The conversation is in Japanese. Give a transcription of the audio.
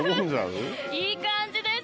いい感じです。